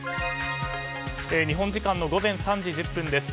日本時間の午前３時１０分です。